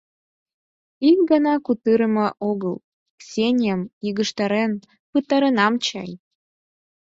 Ик гана кутырымо огыл — Ксениям йыгыжтарен пытаренам чай.